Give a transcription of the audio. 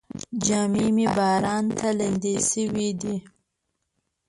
جامې مې باران ته لمدې شوې دي.